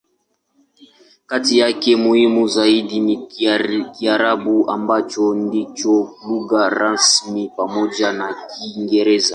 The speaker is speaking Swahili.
Kati yake, muhimu zaidi ni Kiarabu, ambacho ndicho lugha rasmi pamoja na Kiingereza.